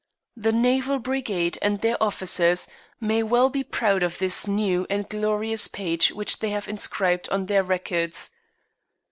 The Naval Brigade and their officers may well be proud of this new and glorious page which they have inscribed on their records."